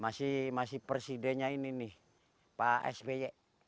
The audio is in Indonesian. dan masih persidennya ini nih pak sby